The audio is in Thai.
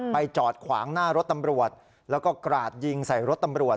จอดขวางหน้ารถตำรวจแล้วก็กราดยิงใส่รถตำรวจ